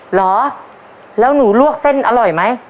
เหรอแล้วหนูลวกเส้นอร่อยไหม